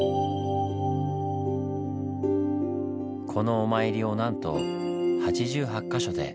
このお参りをなんと８８か所で！